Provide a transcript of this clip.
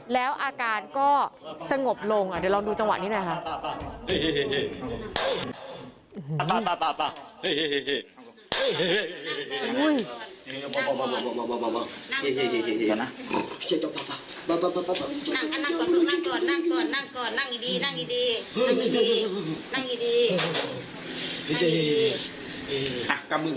แล้วอาการก็สงบลงเดี๋ยวลองดูจังหวะนี้หน่อยค่ะ